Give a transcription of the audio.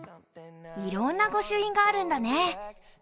いろんな御朱印があるんだね。